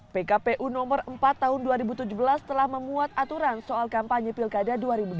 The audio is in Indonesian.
pkpu nomor empat tahun dua ribu tujuh belas telah memuat aturan soal kampanye pilkada dua ribu delapan belas